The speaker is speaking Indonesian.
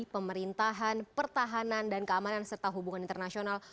pemerintahan pertahanan dan keamanan serta hubungan internasional